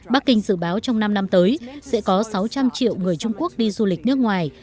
bắc kinh dự báo trong năm năm tới sẽ có sáu trăm linh triệu người trung quốc đi du lịch nước ngoài